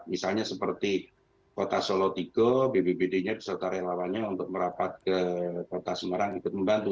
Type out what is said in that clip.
misalnya seperti kota solotiko bbbd nya bisa tarik lawannya untuk merapat ke kota semarang ikut membantu